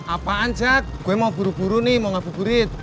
apaan cak gue mau buru buru nih mau ngabur burin